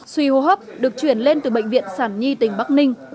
suy hô hấp được chuyển lên từ bệnh viện sản nhi tỉnh bắc ninh